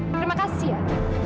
terima kasih ya